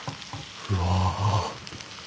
うわ。